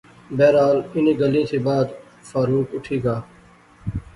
بہرحال انیں گلیں تھی بعد فاروق اُٹھی گا